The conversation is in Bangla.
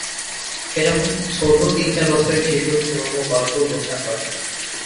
এ-রকম ছোট তিন-চার বছরের শিশুর কোনো গল্প বোঝার কথা নয়।